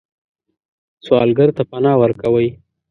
سوالګر ته پناه ورکوئ